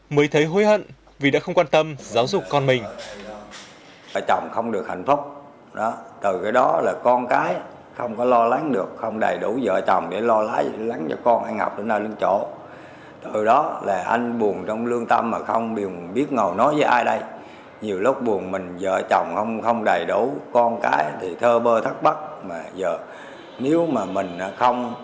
mới thấy hối hận vì đã không quan tâm giáo dục con mình